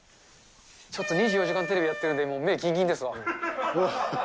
ちょっと２４時間テレビやってるんで、目ぎんぎんですわ。